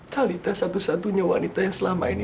talita satu satunya wanita yang selama ini